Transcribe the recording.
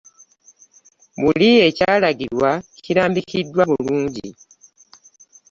Buli ekyalagirwa kirambikiddwa bulungi.